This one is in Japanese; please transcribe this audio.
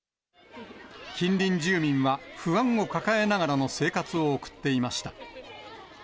近隣住民は不安を抱えながらの生活を送っていました。